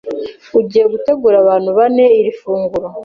Ugiye gutegurira abantu bane iri funguro,